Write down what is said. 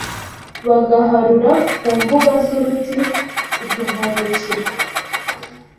bagaharura ku mbuga z’uruti utuvungukira